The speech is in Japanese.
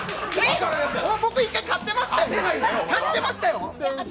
僕１回勝ってましたよ？